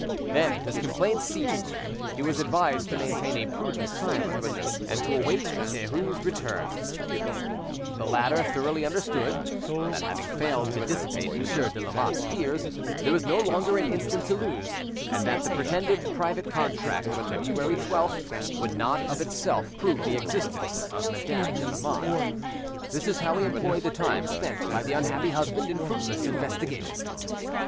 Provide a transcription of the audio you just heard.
Then his complaints ceased; he was advised to maintain a prudent silence, and to await Derues' return. The latter thoroughly understood that, having failed to dissipate Monsieur de Lamotte's fears, there was no longer an instant to lose, and that the pretended private contract of February 12th would not of itself prove the existence of Madame de Lamotte. This is how he employed the time spent by the unhappy husband in fruitless investigation.